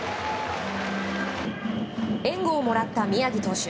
援護をもらった宮城投手。